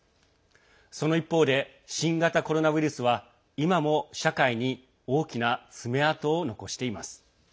その一方で新型コロナウイルスは今も社会に大きな爪痕を残しています。